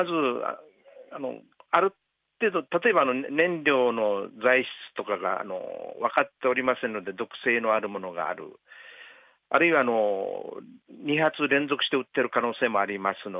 例えば、燃料の材質などが分かっていませんので毒性のあるものがある、あるいは２発連続して撃っている可能性もあります。